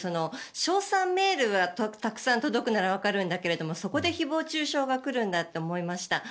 称賛メールがたくさん届くならわかるんだけどそこで誹謗・中傷が来るんだと思いました。